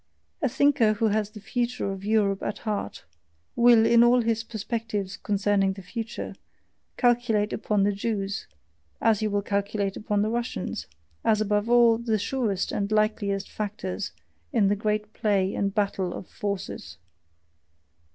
A thinker who has the future of Europe at heart, will, in all his perspectives concerning the future, calculate upon the Jews, as he will calculate upon the Russians, as above all the surest and likeliest factors in the great play and battle of forces.